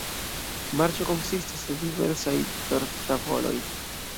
Marĉo konsistas el diversaj torf-tavoloj.